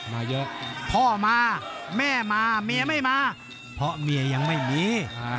มาเยอะพ่อมาแม่มาเมียไม่มาเพราะเมียยังไม่มี